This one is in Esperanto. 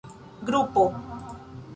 grupo